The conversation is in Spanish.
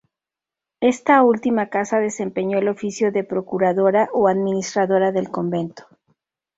En esta última casa desempeñó el oficio de procuradora o administradora del convento.